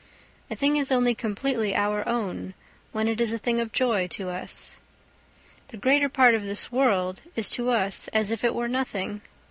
A thing is only completely our own when it is a thing of joy to us. The greater part of this world is to us as if it were nothing.